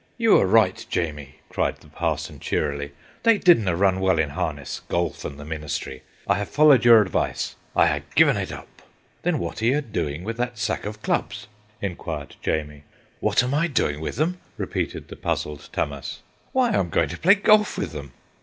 "You were right, Jamie," cried the parson cheerily, "they didna run well in harness; golf and the meenistry, I hae followed your advice: I hae gi'en it oop." "Then what are ye doing with that sack of clubs?" inquired Jamie. "What am I doing with them?" repeated the puzzled Tammas. "Why I am going to play golf with them."